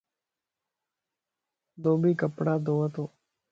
ڌوڀي ڪپڙا ڌوئي تو.